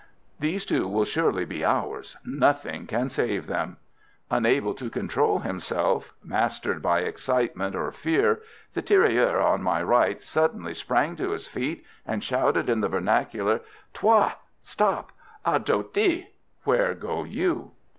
These two will surely be ours; nothing can save them! Unable to control himself, mastered by excitement or fear, the tirailleur on my right suddenly sprang to his feet, and shouted in the vernacular: "Toi!" ("Stop!") "Adow di?" ("Where go you?")